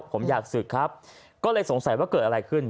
ผมอยากศึกครับก็เลยสงสัยว่าเกิดอะไรขึ้น